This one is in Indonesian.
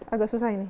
agak susah ini